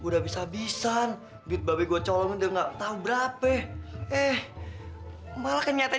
dasar orang ajar